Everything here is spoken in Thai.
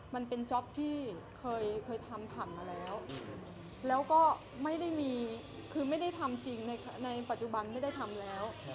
มันเป็นจ๊อปที่เคยทำผ่านมาแล้วแล้วก็ไม่ได้มีคือไม่ได้ทำจริงในปัจจุบันไม่ได้ทำแล้ว